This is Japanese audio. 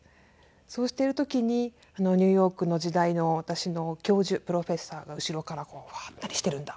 そうしている時にニューヨークの時代の私の教授プロフェッサーが後ろから「何しているんだ？」